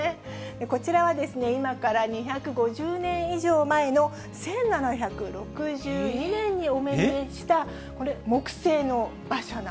こちらは今から２５０年以上前の１７６２年にお目見えした、木製？